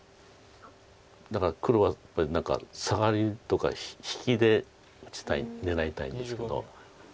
だから黒は何かサガリとか引きで狙いたいんですけど。